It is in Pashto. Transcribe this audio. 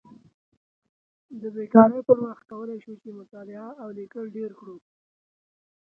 د بیکارۍ پر وخت کولی شو چې مطالعه او لیکل ډېر کړو.